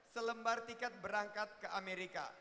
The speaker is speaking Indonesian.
selembar tiket berangkat ke amerika